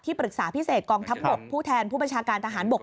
ปรึกษาพิเศษกองทัพบกผู้แทนผู้บัญชาการทหารบก